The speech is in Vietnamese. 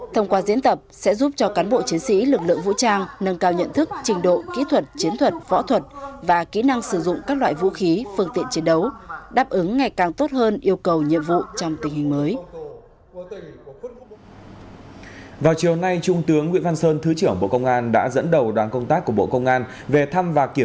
thông qua diễn tập sẽ giúp cho cán bộ chiến sĩ lực lượng vũ trang nâng cao nhận thức trình độ kỹ thuật chiến thuật võ thuật và kỹ năng sử dụng các loại vũ khí phương tiện chiến đấu đáp ứng ngày càng tốt hơn yêu cầu nhiệm vụ trong tình hình mới